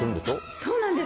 そうなんです。